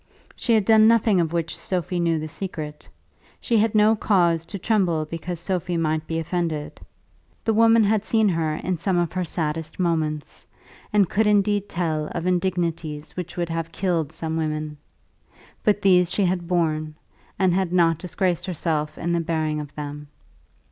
She had done nothing of which Sophie knew the secret. She had no cause to tremble because Sophie might be offended. The woman had seen her in some of her saddest moments, and could indeed tell of indignities which would have killed some women. But these she had borne, and had not disgraced herself in the bearing of them.